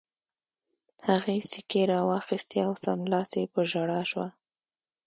هغې سیکې را واخیستې او سملاسي په ژړا شوه